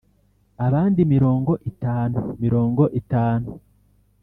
Abandi mirongo itanu mirongo itanu